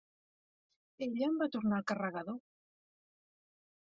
Ella em va tornar el carregador.